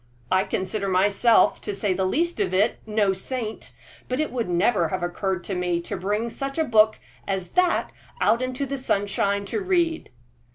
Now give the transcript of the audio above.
"I consider myself, to say the least of it, no saint; but it would never have occurred to me to bring such a book as that out into the sunshine to read."